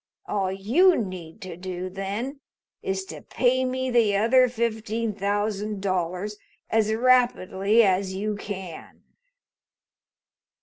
All you need to do then is to pay me the other fifteen thousand dollars as rapidly as you can."